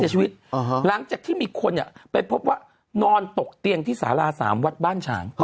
หลังจากที่มีคนไปพบว่านอนตกเตียงที่สารา๓วัดบ้านฉาง